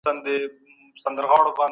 مغول د اسلام په سپېڅلي دین مشرف سول.